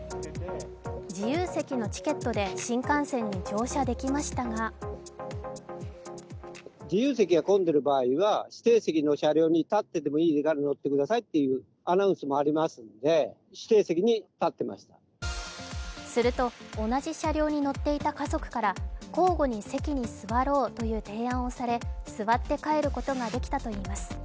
自由席のチケットで新幹線に乗車できましたがすると、同じ車両に乗っていた家族から交互に席に座ろうという提案をされ座って帰ることができたといいます。